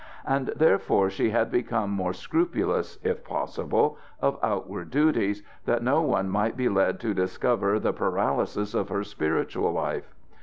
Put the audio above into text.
And therefore she had become more scrupulous, if possible, of outward duties, that no one might be led to discover the paralysis of her spiritual life.